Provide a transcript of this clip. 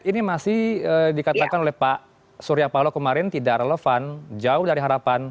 ini masih dikatakan oleh pak surya paloh kemarin tidak relevan jauh dari harapan